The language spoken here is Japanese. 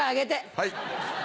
はい。